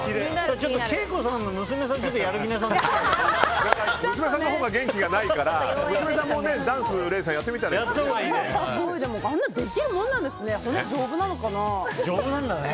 ＫＥＩＫＯさんの娘さんは娘さんのほうが元気ないから娘さんもダンス、礼さんやってみたらいいですよね。